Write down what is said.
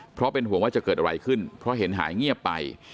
เพราะเป็นห่วงว่าจะเกิดอะไรขึ้นเพราะเห็นหายเงียบไป